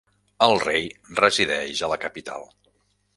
El rei resideix a la capital.